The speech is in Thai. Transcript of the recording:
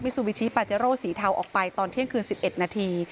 ซูบิชิปาเจโร่สีเทาออกไปตอนเที่ยงคืน๑๑นาที